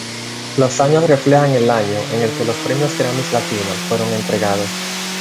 Los años reflejan el año en el que los Premios Grammy Latinos fueron entregados.